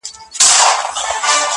زه د ازل ښکاري خزان پر زړه ویشتلی یمه.!